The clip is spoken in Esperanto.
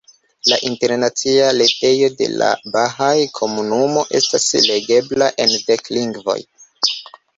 La internacia retejo de la bahaa komunumo estas legebla en dek lingvoj.